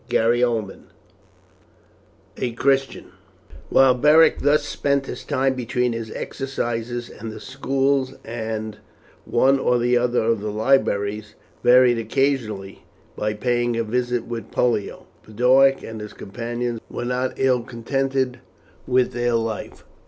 CHAPTER XIII: A CHRISTIAN While Beric thus spent his time between his exercises and the schools and one or other of the libraries, varied occasionally by paying a visit with Pollio, Boduoc and his companions were not ill contented with their life.